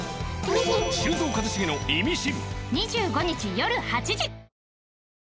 ２５日、夜８時。